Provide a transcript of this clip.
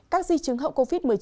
các di chứng hậu covid một mươi chín